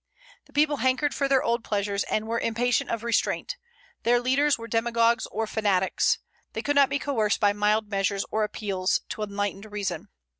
The people hankered for their old pleasures, and were impatient of restraint; their leaders were demagogues or fanatics; they could not be coerced by mild measures or appeals to enlightened reason.